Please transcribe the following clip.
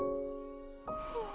うん。